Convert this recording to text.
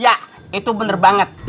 iya itu bener banget